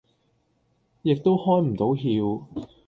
亦都開唔到竅